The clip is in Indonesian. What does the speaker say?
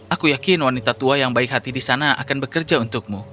aku yakin wanita tua yang baik hati di sana akan bekerja untukmu